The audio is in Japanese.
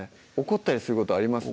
怒ったりすることあります？